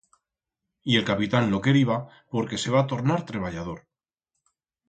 Y el capitán lo queriba porque se va tornar treballador.